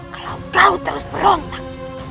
kalau kau terus berontak